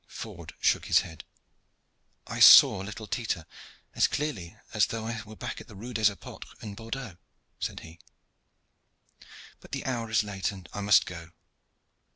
Ford shook his head. "I saw little Tita as clearly as though I were back at the Rue des Apotres at Bordeaux," said he. "But the hour is late, and I must go."